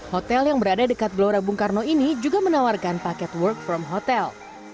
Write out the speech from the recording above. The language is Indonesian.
hotel yang berada dekat gelora bung karno ini juga menawarkan paket work from hotel